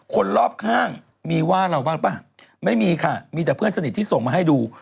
คนรอบข้างมีว่าเราบ้างป่ะไม่มีค่ะมีแต่เพื่อนสนิทที่ส่งมาให้ดู